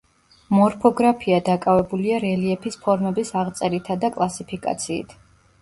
მორფოგრაფია დაკავებულია რელიეფის ფორმების აღწერითა და კლასიფიკაციით.